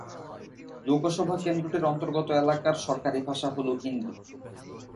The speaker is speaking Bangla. লোকসভা কেন্দ্রটির অন্তর্গত এলাকার সরকারি ভাষা হল হিন্দি।